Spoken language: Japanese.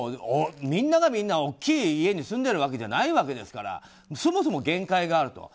みんながみんな大きい家に住んでいるわけじゃないんだからそもそも限界がある。